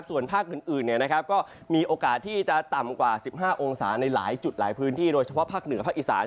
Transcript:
ส่วนภาคอื่นก็มีโอกาสที่จะต่ำกว่า๑๕องศาในหลายจุดหลายพื้นที่โดยเฉพาะภาคเหนือภาคอีสาน